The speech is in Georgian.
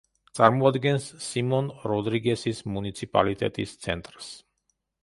წარმოადგენს სიმონ-როდრიგესის მუნიციპალიტეტის ცენტრს.